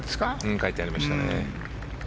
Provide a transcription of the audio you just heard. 書いてありましたね。